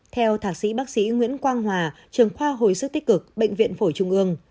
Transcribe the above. theo thạc sĩ bác sĩ nguyễn quang hòa trường khoa hồi sức tích cực bệnh viện phổi trung ương